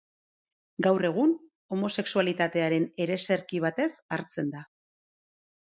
Gaur egun, homosexualitatearen ereserki batez hartzen da.